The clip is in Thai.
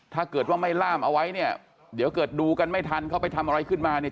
ถ้าเกิดว่าไม่ล่ามเอาไว้เนี่ยเดี๋ยวเกิดดูกันไม่ทันเขาไปทำอะไรขึ้นมาเนี่ย